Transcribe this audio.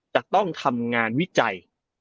จะต้องทำงานวิจัย